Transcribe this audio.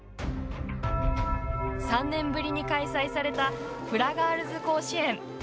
３年ぶりに開催されたフラガールズ甲子園。